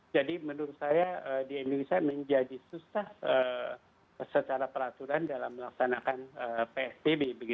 jadi menurut saya di indonesia menjadi susah secara peraturan dalam melaksanakan psbb